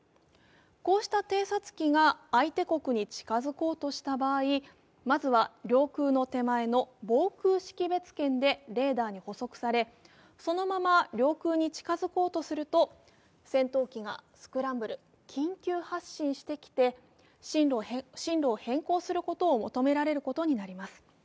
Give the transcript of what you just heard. こうした偵察機が相手国に近づこうとした場合、まずは領空の手前の防空識別圏でレーダーに捕捉されそのまま領空に近づこうとすると戦闘機がスクランブル＝緊急発進してきて進路を変更することを求められることになります。